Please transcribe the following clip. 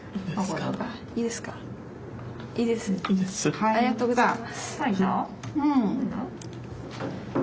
ありがとうございます。